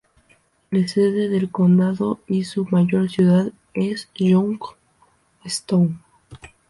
La sede del condado y su mayor ciudad es Youngstown.